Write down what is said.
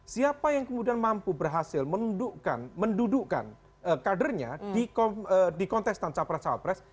siapa yang kemudian mampu berhasil mendudukkan kadernya di kontestan capres capres